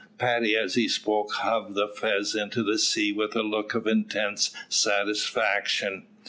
Paddy as he spoke hove the fez into the sea with a look of intense satisfaction.